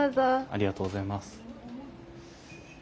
ありがとうございます。